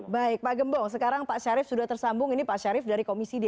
baik pak gembong sekarang pak syarif sudah tersambung ini pak syarif dari komisi d